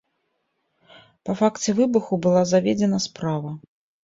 Па факце выбуху была заведзена справа.